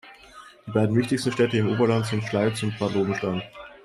Die beiden wichtigsten Städte im Oberland sind Schleiz und Bad Lobenstein.